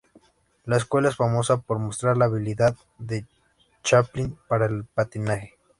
La película es famosa por mostrar la habilidad de Chaplin para el patinaje.